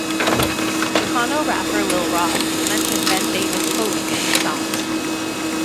Chicano rapper Lil Rob has mentioned Ben Davis clothing in his songs.